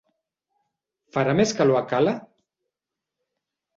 Farà més calor a Cale?